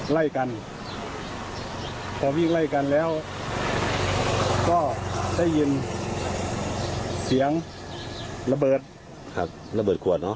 ไล่กันพอวิ่งไล่กันแล้วก็ได้ยินเสียงระเบิดครับระเบิดขวดเนอ